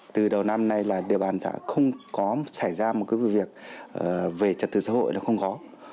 từ đầu năm nay là địa bàn xã không có xảy ra một cái vụ việc về trật tự xã hội là không có